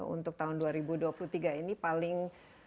untuk tahun dua ribu dua puluh tiga ini paling